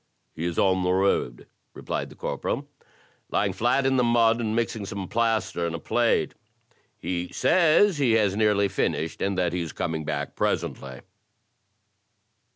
"He is on the road," replied the corporal, " l3ring flat in the mud, and mixing some plaster in a plate. He says he has nearly finished, and that he is coming back presently."